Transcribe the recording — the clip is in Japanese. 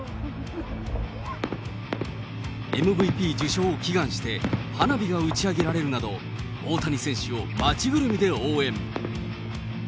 ＭＶＰ受賞を祈願して花火が打ち上げられるなど、大谷選手を街ぐるみで応援。